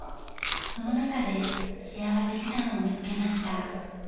その中で幸福時間を見つけました。